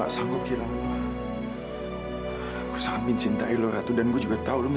sampai jumpa di video selanjutnya